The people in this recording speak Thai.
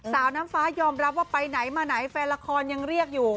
สาวน้ำฟ้ายอมรับว่าไปไหนมาไหนแฟนละครยังเรียกอยู่